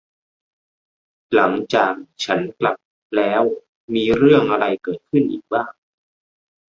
หลังจากฉับกลับแล้ว มีเรื่องอะไรเกิดขึ้นอีกบ้าง